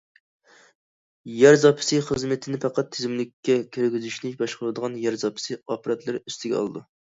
يەر زاپىسى خىزمىتىنى پەقەت تىزىملىككە كىرگۈزۈشنى باشقۇرىدىغان يەر زاپىسى ئاپپاراتلىرى ئۈستىگە ئالىدۇ.